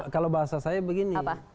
kalau bahasa saya begini